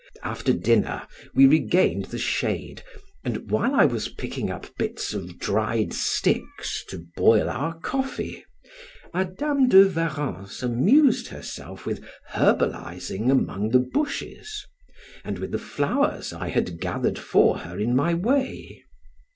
After dinner we regained the shade, and while I was picking up bits of dried sticks, to boil our coffee, Madam de Warrens amused herself with herbalizing among the bushes, and with the flowers I had gathered for her in my way.